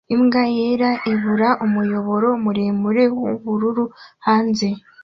Imbwa yera ibura umuyoboro muremure w'ubururu hanze